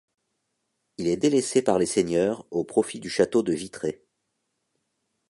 Il est délaissé par les seigneurs au profit du château de Vitré.